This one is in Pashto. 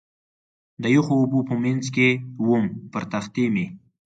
د یخو اوبو په منځ کې ووم، پر تختې مې.